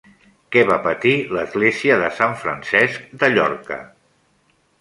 Què va patir l'església de Sant Francesc de Llorca?